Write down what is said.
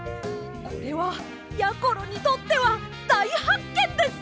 これはやころにとってはだいはっけんです！